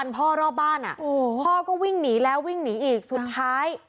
พ่อก็วิ่งหนีแล้ววิ่งหนีอีกสุดท้าย